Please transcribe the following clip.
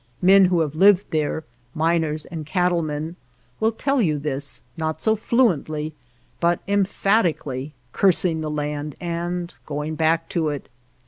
Men who have lived there, miners and cat tle men, will tell you this, not so fluently, but emphatically, cursing the land and go ing back to it.